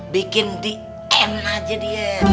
bikin di ken aja dia